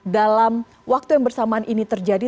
dalam waktu yang bersamaan ini terjadi